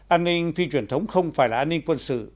an ninh phi truyền thống không phải là an ninh quân sự